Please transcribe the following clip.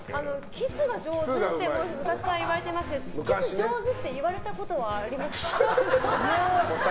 キスが上手って昔から言われてますけどキス上手って言われたことはありますか？